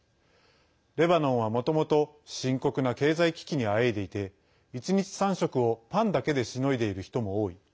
レバノンは、もともと深刻な経済危機にあえいでいて１日３食を、パンだけでしのいでいる人も多い。